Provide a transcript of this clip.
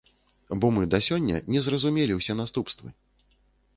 Бо мы да сёння не зразумелі ўсе наступствы.